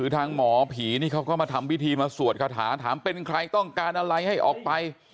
ทางหมอผีนี่เขาก็มาทำพิธีมาสวดคาถาถามเป็นใครต้องการอะไรให้ออกไป